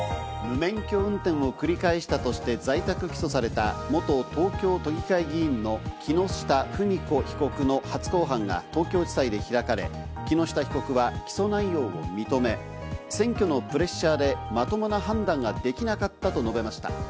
無免許運転を繰り返したとして在宅起訴された、元東京都議会議員の木下富美子被告の初公判が東京地裁で開かれ、木下被告は起訴内容を認め、選挙のプレッシャーでまともな判断ができなかったと述べました。